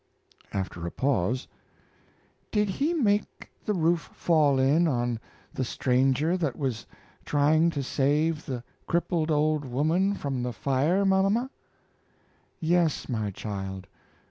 After a pause: "Did He make the roof fall in on the stranger that was trying to save the crippled old woman from the fire, mama?" "Yes, my child.